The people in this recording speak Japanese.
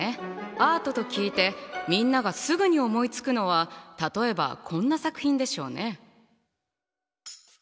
アートと聞いてみんながすぐに思いつくのは例えばこんな作品でしょうね。